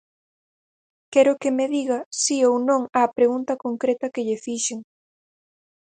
Quero que me diga si ou non á pregunta concreta que lle fixen.